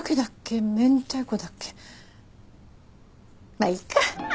まあいいか。